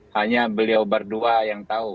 hanya beliau berdua yang tahu